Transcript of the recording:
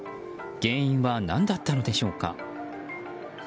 原因は何だったのでしょうか。